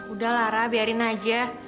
udah lara biarin aja